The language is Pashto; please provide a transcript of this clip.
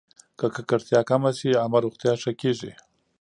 که ککړتیا کمه شي، عامه روغتیا ښه کېږي.